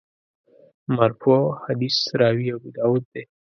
مرفوع حدیث راوي ابوداوود دی.